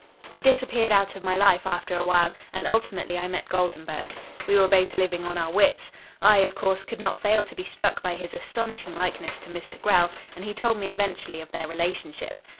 "He disappeared out of my life after a while, and ultimately I met Goldenburg. We were both living on our wits. I, of course, could not fail to be struck by his astonishing likeness to Mr. Grell, and he told me eventually of their relationship.